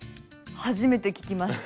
初めて聞きました。